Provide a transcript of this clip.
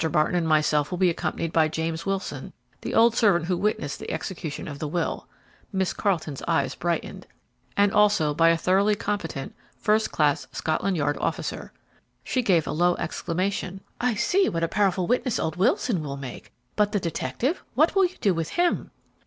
Barton and myself will be accompanied by James Wilson, the old servant who witnessed the execution of the will," Miss Carleton's eyes brightened, "and also by a thoroughly competent, first class Scotland Yard officer." She gave a low exclamation. "I see what a powerful witness old Wilson will make; but the detective, what will you do with him?"